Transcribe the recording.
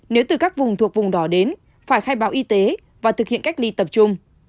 nếu từ các vùng thuộc vùng đỏ đến phải khai báo y tế và thực hiện cách ly tập trung